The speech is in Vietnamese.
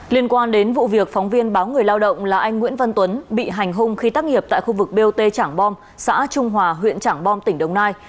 liên quan đến vụ việc phóng viên báo người lao động là anh nguyễn văn tuấn bị hành hung khi tác nghiệp tại khu vực bot trảng bom xã trung hòa huyện trảng bom tỉnh đồng nai